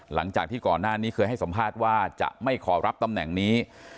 หลังจากที่ก่อนหน้านี้เคยให้สัมภาษณ์ว่าจะไม่ขอรับตำแหน่งนี้